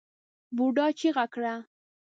بوډا چيغه کړه!